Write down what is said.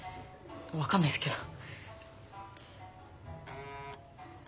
分かんないっすけど。